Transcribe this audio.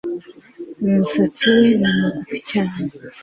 Umusatsi we ni mugufi cyane